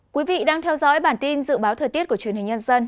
quý vị đang theo dõi bản tin dự báo thời tiết của truyền hình nhân dân